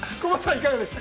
いかがでした？